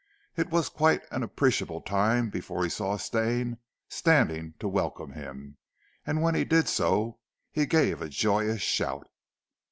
It was quite an appreciable time before he saw Stane standing to welcome him, and when he did so, he gave a joyous shout.